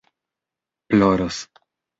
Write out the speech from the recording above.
ploros